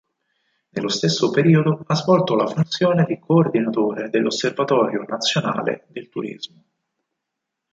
Nello stesso periodo ha svolto la funzione di Coordinatore dell 'Osservatorio Nazionale del Turismo.